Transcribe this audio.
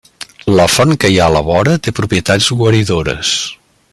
La font que hi ha a la vora té propietats guaridores.